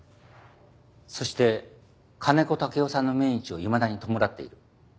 そして金子武雄さんの命日をいまだに弔っている。